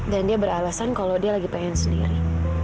dan dia beralasan kalau dia lagi pengen sendiri